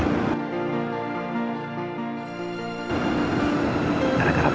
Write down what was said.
kalo aku mau kehilangan harta aku perlu paham